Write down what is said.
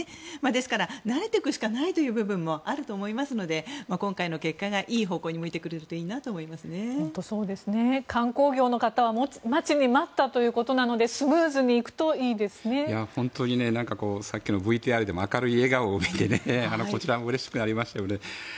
ですから、慣れていくしかないという部分もあると思いますので今回の結果がいい方向に向いてくれるといいなと観光業の方は待ちに待ったということなのでさっきのＶＴＲでも明るい笑顔を見てこちらもうれしくなりました。